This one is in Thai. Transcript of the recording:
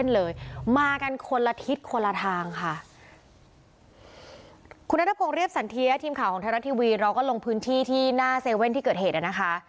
แล้วก็ลงพื้นที่ที่หน้าเซเว่นที่เกิดเหตุแล้วนะคะ